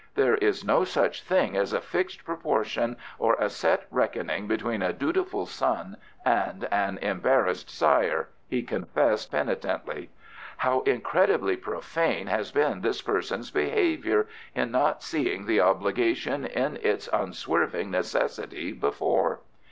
"There is no such thing as a fixed proportion or a set reckoning between a dutiful son and an embarrassed sire," he confessed penitently. "How incredibly profane has been this person's behaviour in not seeing the obligation in its unswerving necessity before."